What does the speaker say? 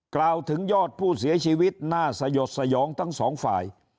กล่าวถึงยอดผู้เสียชีวิตน่าสยดสยองทั้งสองฝ่าย